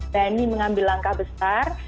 dan ini mengambil langkah besar